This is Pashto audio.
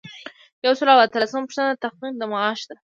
یو سل او اتلسمه پوښتنه د تحقیق د معاش ده.